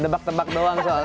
debak debak doang soalnya